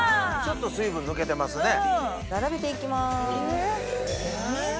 ちょっと水分抜けてますね。